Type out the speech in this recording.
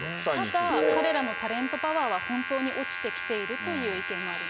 あとは、彼らのタレントパワーは本当に落ちてきているという意見もありま